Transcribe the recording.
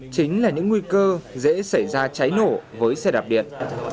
chính là những nguy cơ dễ xảy ra cháy nổ với xe đạp điện